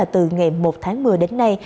từ ngày một tháng một mươi đến nay